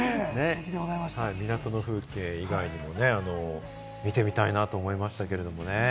港の風景以外にもね、見てみたいなと思いましたけれどもね。